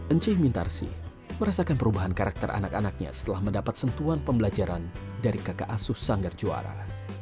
encih mintarsi merasakan perubahan karakter anak anaknya setelah mendapat sentuhan pembelajaran dari kakak asuh sanggar juara